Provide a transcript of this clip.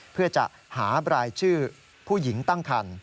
เพื่อจะหาบรายชื่อผู้หญิงตั้งคัน